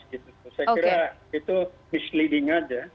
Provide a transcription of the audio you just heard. saya kira itu misleading aja